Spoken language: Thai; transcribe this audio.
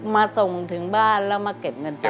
มาส่งถึงบ้านแล้วมาเก็บเงินไป